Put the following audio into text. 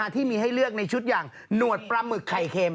ที่มีให้เลือกในชุดอย่างหนวดปลาหมึกไข่เค็ม